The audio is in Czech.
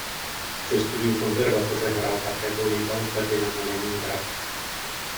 Při studiu konzervatoře hrál také volejbal za Dynamo Leningrad.